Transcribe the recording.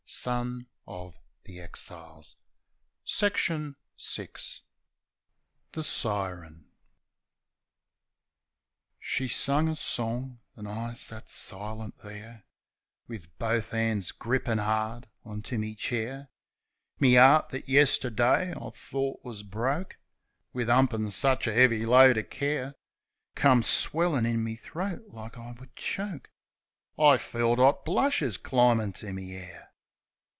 . VII. THE SIREN iv^u, <Sxe The Siren HE sung a song; an' I sat silent there, Wiv bofe 'ands grippin' 'ard on to me chair; Me 'eart, that yesterdee I thort wus broke Wiv 'umpin' sich a 'eavy load o' care, Come swellin' in me throat like I would choke. I felt 'ot blushes climbin' to me 'air.